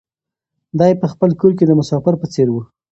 دی په خپل کور کې د مسافر په څېر و.